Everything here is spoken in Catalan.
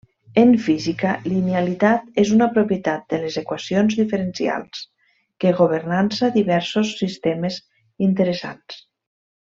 En física, linealitat és una propietat de les equacions diferencials que governança diversos sistemes interessants.